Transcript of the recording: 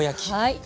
はい。